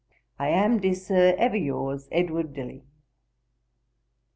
I am, dear Sir, 'Ever your's, 'EDWARD DILLY.'